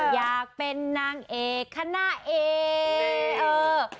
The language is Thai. อยากเป็นนางเอกคณะเอก